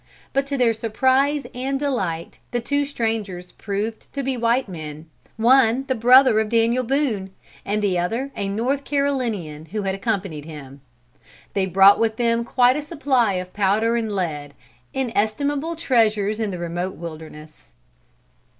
But to their surprise and delight, the two strangers proved to be white men; one the brother of Daniel Boone, and the other a North Carolinian who had accompanied him. They brought with them quite a supply of powder and lead; inestimable treasures in the remote wilderness.